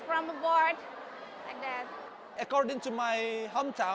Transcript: karena saya juga seorang guru dan seorang tutor